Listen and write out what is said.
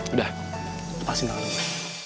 udah lepasin tangan gue